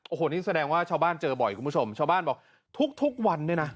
โอ้โหนี่แสดงว่าชาวบ้านเจอบ่อยคุณผู้ชมชาวบ้านบอกทุกวันเนี่ยนะ